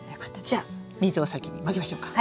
じゃあ水を先にまきましょうか。